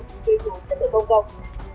tuy phủ chức tượng công cộng